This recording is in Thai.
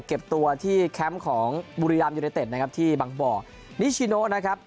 เก็บตัวที่แคมป์ของบุรีรัมยูเนเต็ดนะครับที่บางบ่อนิชิโนนะครับ